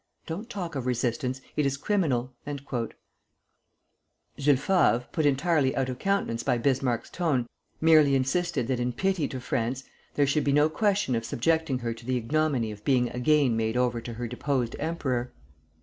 Don't talk of resistance, it is criminal." Jules Favre, put entirely out of countenance by Bismarck's tone, merely insisted that in pity to France there should be no question of subjecting her to the ignominy of being again made over to her deposed emperor.